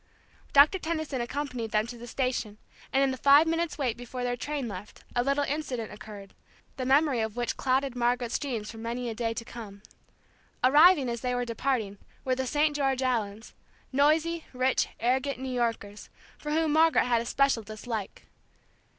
Doctor Tenison accompanied them to the station, and in the five minutes' wait before their train left, a little incident occurred, the memory of which clouded Margaret's dreams for many a day to come. Arriving, as they were departing, were the St. George Allens, noisy, rich, arrogant New Yorkers, for whom Margaret had a special dislike.